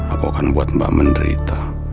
aku akan buat mbak menderita